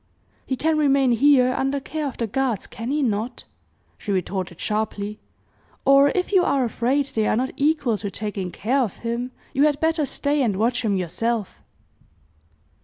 "He can remain here under care of the guards, can he not?" she retorted sharply. "Or, if you are afraid they are not equal to taking care of him, you had better stay and watch him yourself."